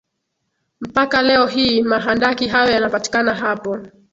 Mpaka leo hii mahandaki hayo yanapatikana hapo